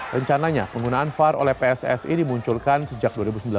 rencananya penggunaan var oleh pssi dimunculkan sejak dua ribu sembilan belas